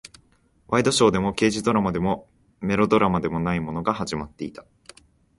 ワイドショーでも、刑事ドラマでも、メロドラマでもないものが始まっていた。